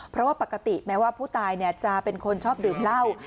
เพราะว่าปกติแม้ว่าผู้ตายจะเป็นคนชอบดื่มเหล้า